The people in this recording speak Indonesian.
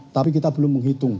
tapi kita belum menghitung